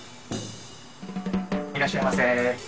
いらっしゃいませ。